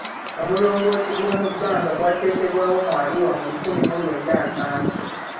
Omulongooti gw'omubbanga gwateekebwawo mu Arua mu lukumi mu lwenda nsavu.